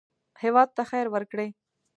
هېواد ته خیر ورکړئ